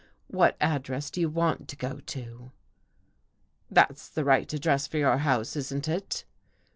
What address do you want to go to? "" That's the right address for your house, isn't it?"